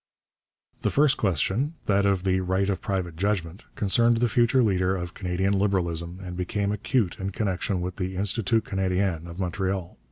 The first question, that of the right of private judgment, concerned the future leader of Canadian Liberalism and became acute in connection with the Institut Canadien of Montreal.